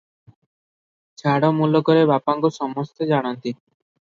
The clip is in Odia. ଝାଡ଼ ମୁଲକରେ ବାପାଙ୍କୁ ସମସ୍ତେ ଜାଣନ୍ତି ।